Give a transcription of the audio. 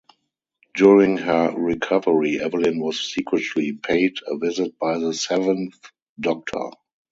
During her recovery, Evelyn was secretly paid a visit by the Seventh Doctor.